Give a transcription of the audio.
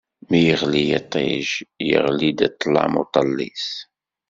Mi yeɣli yiṭij, iɣli-d ṭṭlam uṭellis.